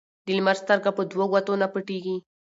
ـ د لمر سترګه په دو ګوتو نه پټيږي.